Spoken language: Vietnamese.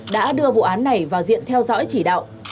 đã đưa vụ án này vào diện theo dõi chỉ đạo